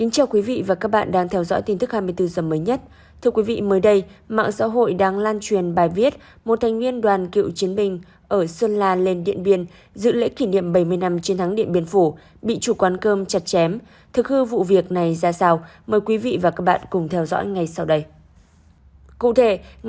chào mừng quý vị đến với bộ phim hãy nhớ like share và đăng ký kênh của chúng mình nhé